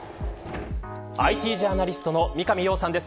ＩＴジャーナリストの三上洋さんです。